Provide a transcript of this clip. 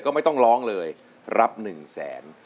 ก็ไม่ต้องร้องเลยรับ๑แสน